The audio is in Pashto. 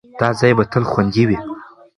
دا ځای به تل خوندي وي.